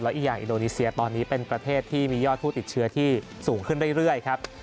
อีกอย่างอินโดนีเซียตอนนี้เป็นประเทศที่มียอดผู้ติดเชื้อที่สูงขึ้นเรื่อยครับ